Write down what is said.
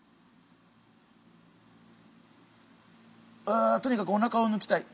うとにかくおなかをぬきたい！